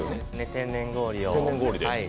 天然氷を。